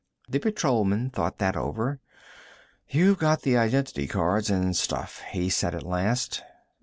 The patrolman thought that over. "You've got the identity cards and stuff," he said at last.